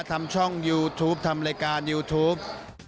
ทำช่องยูทูปทำรายการยูทูป